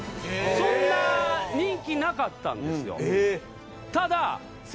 そんな人気なかったんですよ。